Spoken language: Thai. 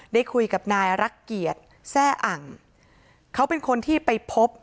ได้คุยกับนายรักเกียรติแซ่อังเขาเป็นคนที่ไปพบ